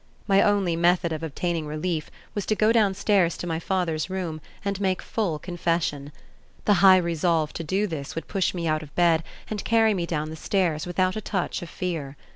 My only method of obtaining relief was to go downstairs to my father's room and make full confession. The high resolve to do this would push me out of bed and carry me down the stairs without a touch of fear.